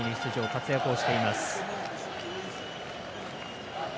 活躍をしています。